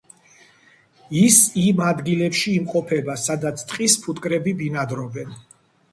ის იმ ადგილებში იმყოფება, სადაც ტყის ფუტკრები ბინადრობენ.